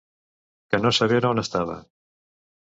Que no sabera on estava.